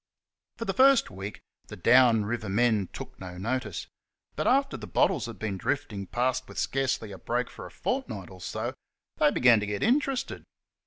For the first week the down river men took no notice ; but after the bottles had been drifting past with scarcely a break for a fortnight or so, they began to get interested.